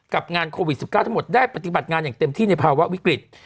กับงานโควิด๑๙ทั้งหมดได้ปฏิบัติงานอย่างเต็มที่ในภาวะวิกฤต